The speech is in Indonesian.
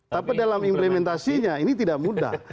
tapi dalam implementasinya ini tidak mudah